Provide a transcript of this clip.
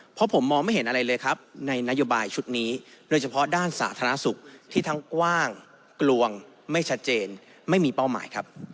เพราะผมมองไม่เห็นอะไรเลยครับในนโยบายชุดนี้โดยเฉพาะด้านสาธารณสุขที่ทั้งกว้างกลวงไม่ชัดเจนไม่มีเป้าหมายครับ